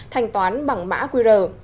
thanh toán bằng mã qr